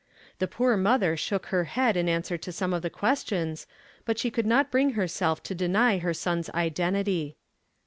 The poor mother shook her head in answer to some of the questions, but she could not bring herself to deny her son's identity.